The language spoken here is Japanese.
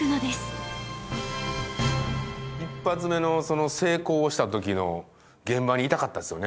１発目の成功した時の現場にいたかったですよね